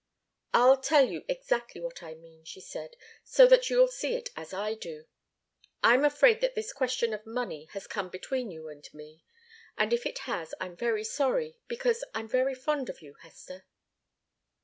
"I'll tell you exactly what I mean," she said; "so that you'll see it as I do. I'm afraid that this question of money has come between you and me. And if it has, I'm very sorry, because I'm very fond of you, Hester."